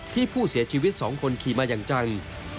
ที่ผู้เสียชีวิต๒คนขี่มาอย่างจัง